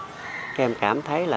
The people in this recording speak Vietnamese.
các em cảm thấy là